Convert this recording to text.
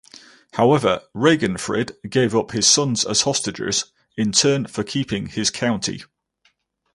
However, Ragenfrid gave up his sons as hostages in turn for keeping his county.